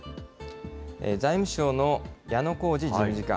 財務省の矢野康治事務次官。